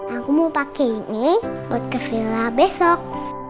aku mau pakai ini buat ke villa besok